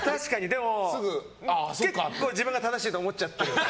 でも結構、自分が正しいと思っちゃってるんで。